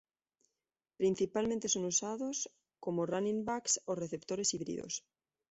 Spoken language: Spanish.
Principalmente son usados como running backs o receptores híbridos.